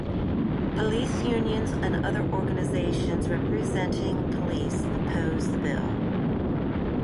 Police unions and other organizations representing police oppose the bill.